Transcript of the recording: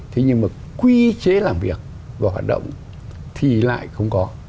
thế nhưng mà quy chế làm việc và hoạt động thì lại không có